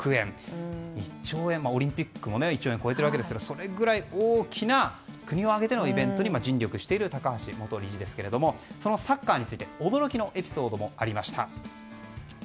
オリンピックも１兆円を超えていますがそれぐらい大きな国を挙げてのイベントに尽力している高橋元理事ですがそのサッカーについて驚きのエピソードもありました。